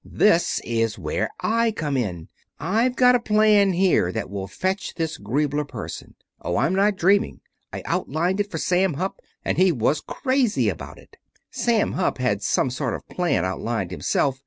"This is where I come in. I've got a plan here that will fetch this Griebler person. Oh, I'm not dreaming. I outlined it for Sam Hupp, and he was crazy about it. Sam Hupp had some sort of plan outlined himself.